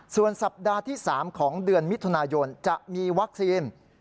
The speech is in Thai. ส่วนสัปดาห์ที่๓ของเดือนมิถุนายนจะมีวัคซีน